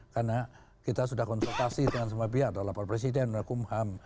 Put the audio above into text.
karena kita sudah konsultasi dengan semua pihak lollapal presiden rekum ham